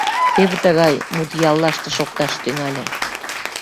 Теве тыгай мут яллаште шокташ тӱҥале.